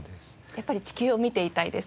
やっぱり地球を見ていたいですか？